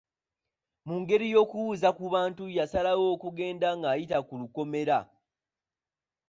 Mu ngeri ey'okubuuza ku bantu yasalawo okugenda ng'ayita ku lukomera.